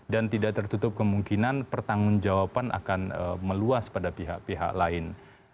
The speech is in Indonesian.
dan tidak tertutup kemungkinan pertanggung jawaban akan meluas pada pihak pihak lain